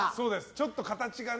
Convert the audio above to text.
ちょっと形がね。